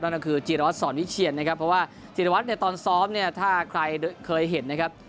นั่นก็คือจีรวัตรสอนวิเชียนนะครับเพราะว่าจีรวัตรเนี่ยตอนซ้อมเนี่ยถ้าใครเคยเห็นนะครับ